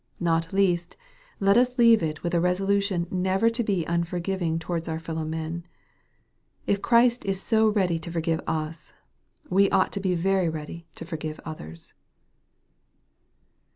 Not least, let us leave it with a resolution never to be unforgiving towards our fellow men. If Christ is so ready to forgive us, wa ought to be \;ery ready if forgive others.